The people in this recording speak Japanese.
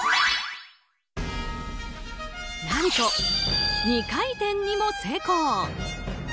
何と２回転にも成功。